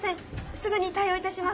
すぐに対応いたします。